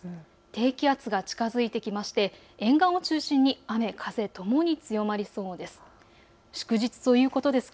低気圧が近づいてきて沿岸を中心に雨、風ともに強まりそうです。